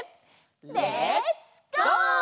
レッツゴー！